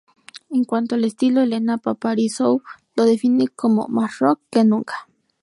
En cuanto al estilo, Elena Paparizou lo define como: Más rock que nunca.